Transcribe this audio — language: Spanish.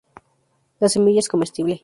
La semilla es comestible.